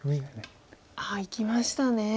ああいきましたね。